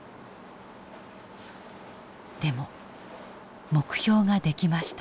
でも目標が出来ました。